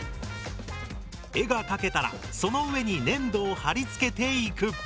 絵が描けたらその上に粘土を貼り付けていく。